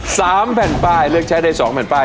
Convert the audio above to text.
สามแผ่นป้ายเลือกใช้ได้สองแผ่นป้าย